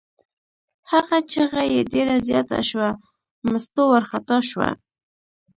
هغه چغه یې ډېره زیاته شوه، مستو وارخطا شوه.